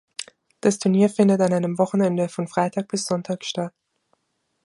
Das Turnier findet an einem Wochenende von Freitag bis Sonntag statt.